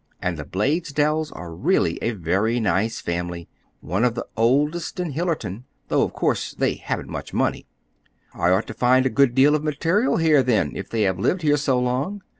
And the Blaisdells are really a very nice family—one of the oldest in Hillerton, though, of course, they haven't much money." "I ought to find a good deal of material here, then, if they have lived here so long."